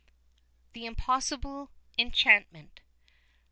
THE IMPOSSIBLE ENCHANTMENT.